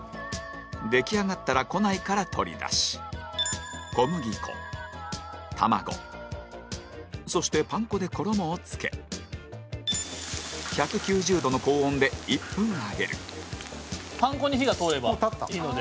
出来上がったら庫内から取り出し小麦粉、卵そして、パン粉で衣をつけ１９０度の高温で１分揚げるパン粉に火が通ればいいので。